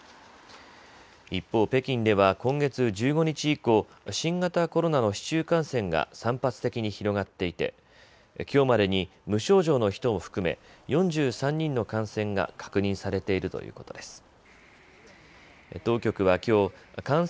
一方、北京では今月１５日以降、新型コロナの市中感染が散発的に広がっていてきょうまでに無症状の人を含め４３人の感染が確認されているということです。